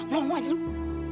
cepetan bantuin gue